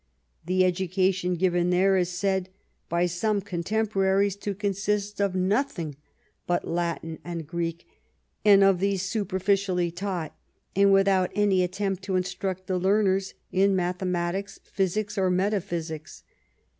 The education given there is said by some commentators to con sist of nothing but Latin and Greek, and of these superficially taught, and without any attempt to instruct the learners in mathematics, physics, or metaphysics.